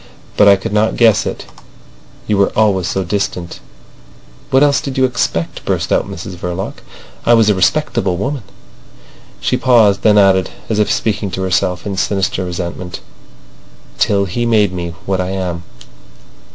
But I could not guess it. You were always so distant. ..." "What else did you expect?" burst out Mrs Verloc. "I was a respectable woman—" She paused, then added, as if speaking to herself, in sinister resentment: "Till he made me what I am."